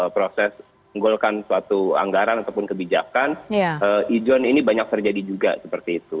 proses menggolkan suatu anggaran ataupun kebijakan ijon ini banyak terjadi juga seperti itu